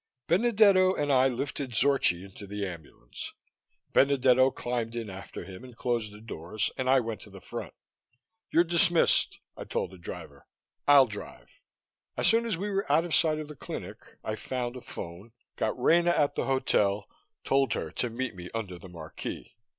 Benedetto and I lifted Zorchi into the ambulance. Benedetto climbed in after him and closed the doors, and I went to the front. "You're dismissed," I told the driver. "I'll drive." As soon as we were out of sight of the clinic, I found a phone, got Rena at the hotel, told her to meet me under the marquee.